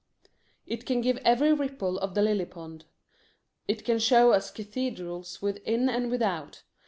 It can give every ripple of the lily pond. It can show us cathedrals within and without.